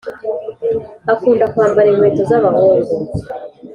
akunda kwambara inkweto zabahungu